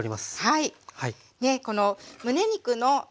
はい。